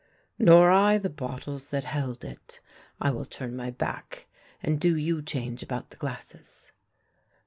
" Nor I the bottles that held it. I will turn my back, and do you change about the glasses."